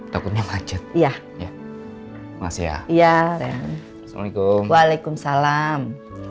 takutnya macet iya iya makasih ya iya ren assalamualaikum waalaikumsalam